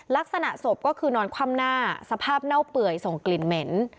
ลักษณะศพก็คือนอนคว่ำหน้าสภาพเน่าเปื่อยส่งกลิ่นเหม็น